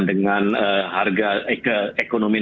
dengan harga ekonomi